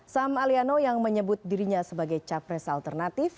sam aliano yang menyebut dirinya sebagai capres alternatif